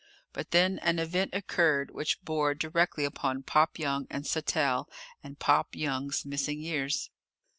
But then an event occurred which bore directly upon Pop Young and Sattell and Pop Young's missing years.